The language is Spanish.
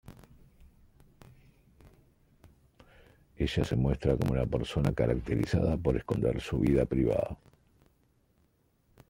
Ella se muestra como una persona caracterizada por esconder su vida privada.